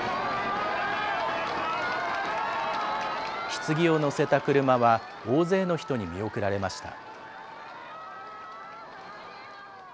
ひつぎを乗せた車は大勢の人に見送られました。